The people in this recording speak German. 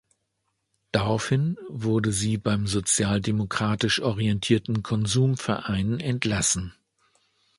Daraufhin wurde sie beim sozialdemokratisch orientierten Konsumverein entlassen.